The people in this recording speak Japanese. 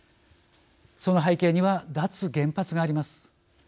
その背景には脱原発があります。